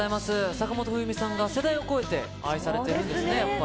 坂本冬美さんが世代を超えて愛されてるんですね、やっぱり。